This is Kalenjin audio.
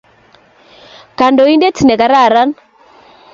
kandoinatet nekararan